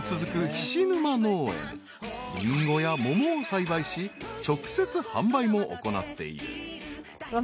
［リンゴやモモを栽培し直接販売も行っている］